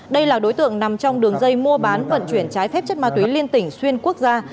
đây là đối tượng nằm trong đường dây mua bán vận chuyển trái phép chất ma túy liên tỉnh xuyên quốc gia